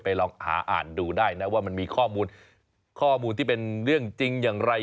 ลองหาอ่านดูได้นะว่ามันมีข้อมูลข้อมูลที่เป็นเรื่องจริงอย่างไร